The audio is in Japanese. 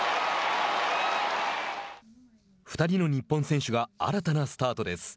２人の日本選手が新たなスタートです。